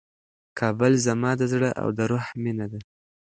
کابل زما د زړه او د روح مېنه ده.